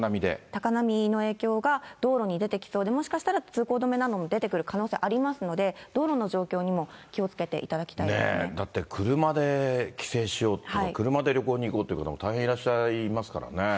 高波の影響で、道路に出てきそうで、もしかしたら通行止めなども出てくる可能性もありますので、道路の状況にも気をつけていだって、車で帰省しようって、車で旅行に行こうという方も大変いらっしゃいますからね。